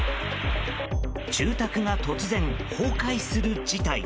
住宅が突然、崩壊する事態。